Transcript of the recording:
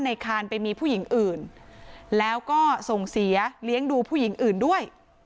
คานไปมีผู้หญิงอื่นแล้วก็ส่งเสียเลี้ยงดูผู้หญิงอื่นด้วย